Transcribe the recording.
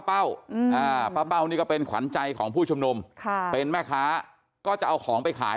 ป้าเป้านี่ก็เป็นขวัญใจของผู้ชุมนุมเป็นแม่ค้าก็จะเอาของไปขาย